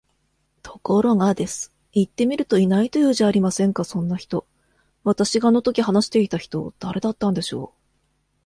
ところが、です。行ってみると居ないと言うじゃありませんか、そんな人。私があの時話していた人、誰だったんでしょう？